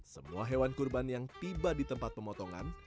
semua hewan kurban yang tiba di tempat pemotongan